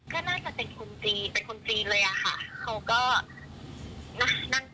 เขาก็ไม่มีใครเข้าไปห้ามอะไรเขานะคะ